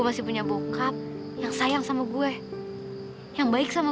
kau kena lepasin dia mau nolongin ibu